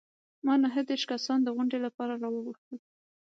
ما نهه دیرش کسان د غونډې لپاره راوغوښتل.